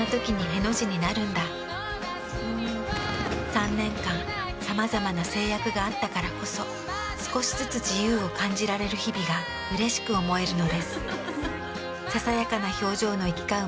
３年間さまざまな制約があったからこそ少しずつ自由を感じられる日々がうれしく思えるのです。